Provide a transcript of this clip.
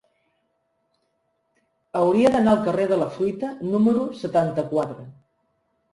Hauria d'anar al carrer de la Fruita número setanta-quatre.